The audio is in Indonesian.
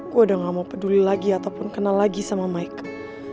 gue udah gak mau peduli lagi ataupun kenal lagi sama michael